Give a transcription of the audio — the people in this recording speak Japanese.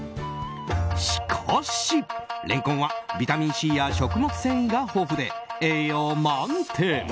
しかし、レンコンはビタミンＣや食物繊維が豊富で栄養満点。